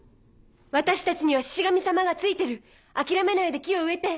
私たちにはシシ神様がついてる諦めないで木を植えて。